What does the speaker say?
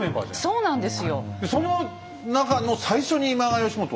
そうなんですよ。